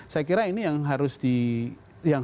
saya kira ini yang harus di yang